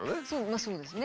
まあそうですね。